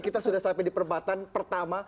kita sudah sampai di perempatan pertama